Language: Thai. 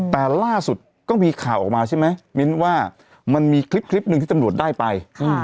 แต่ล่าสุดก็มีข่าวออกมาใช่ไหมมิ้นว่ามันมีคลิปหนึ่งที่ตำรวจได้ไป